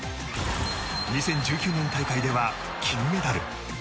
２０１９年大会では金メダル。